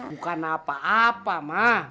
bukan apa apa mah